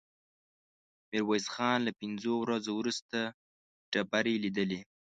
ميرويس خان له پنځو ورځو وروسته ډبرې ليدلې.